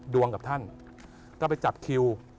กับท่านก็ไปจัดคิว